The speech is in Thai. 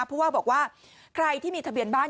ผู้ว่าบอกว่าใครที่มีทะเบียนบ้าน